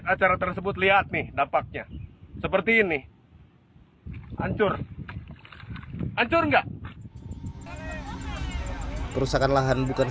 acara tersebut lihat nih dampaknya seperti ini hancur hancur enggak kerusakan lahan bukan